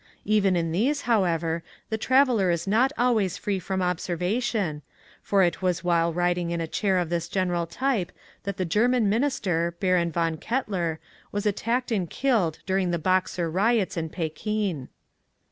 Even in these, however, the traveler is not always free from observation, for it was while riding in a chair of this general type that the German Minister, Baron Von Kettler, was attacked and killed dur ing the Boxer riots in Pekin.